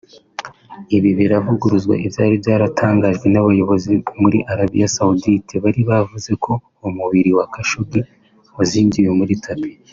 Ibi biravuguruza ibyari byatangajwe n’abayobozi muri Arabie Saoudite bari bavuze ko umubiri wa Khashoggi wazingiwe muri tapis